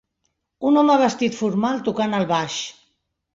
Un home vestit formal tocant el baix.